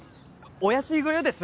お安いご用です